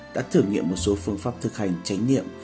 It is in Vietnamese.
đã thử nghiệm một số phương pháp thực hành tránh nghiệm